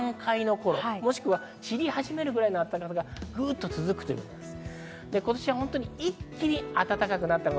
桜が満開の頃、もしくは散り始めるくらいの暖かさ、グッと続くということです。